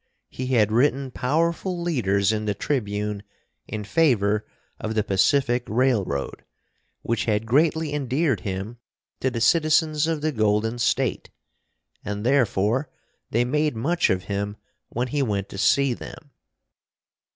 He had written powerful leaders in the Tribune in favor of the Pacific Railroad, which had greatly endeared him to the citizens of the Golden State. And therefore they made much of him when he went to see them.